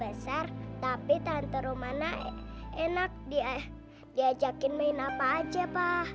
tante rumana besar tapi tante rumana enak diajakin main apa aja pa